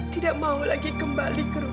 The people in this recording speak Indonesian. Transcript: tidak mau lagi kembali ke rumah